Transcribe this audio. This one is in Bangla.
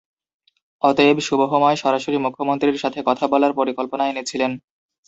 অতএব, সুবহময় সরাসরি মুখ্যমন্ত্রীর সাথে কথা বলার পরিকল্পনা এনেছিলেন।